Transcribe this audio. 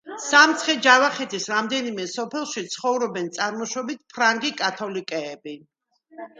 სამცხე–ჯავახეთის რამდენიმე სოფელში ცხოვრობენ წარმოშობით ფრანგი კათოლიკეები.